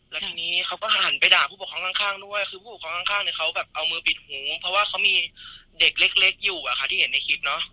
แล้วทางนี้เขาก็หันไปด่าผู้ปกครองข้างด้วยคือผู้ปกครองข้างเนี่ยเขาแบบเอามือปิดหูเพราะว่าเขามีเด็กเล็กอยู่อะค่ะที่เห็นในคลิปเนอะ